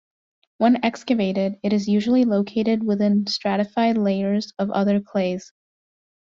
When excavated, it is usually located within stratified layers of other clays.